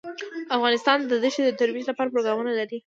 افغانستان د ښتې د ترویج لپاره پروګرامونه لري.